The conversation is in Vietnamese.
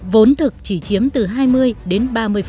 vốn thực chỉ chiếm từ hai mươi đến ba mươi